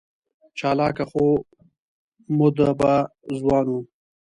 چالاکه خو مودبه ځوان و.